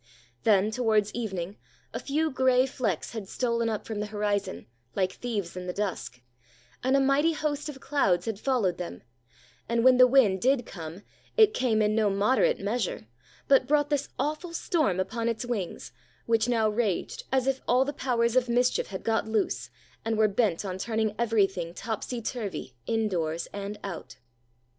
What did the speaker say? Then towards evening, a few gray flecks had stolen up from the horizon like thieves in the dusk, and a mighty host of clouds had followed them; and when the wind did come, it came in no moderate measure, but brought this awful storm upon its wings, which now raged as if all the powers of mischief had got loose, and were bent on turning every thing topsy turvy indoors and out.